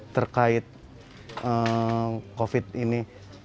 terkait covid ini